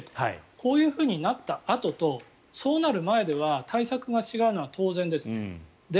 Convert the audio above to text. こういうふうになったあととそうなる前では対策が違うのは当然です。